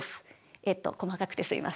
えっと細かくてすみません。